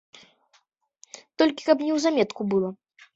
Толькі каб неўзаметку было.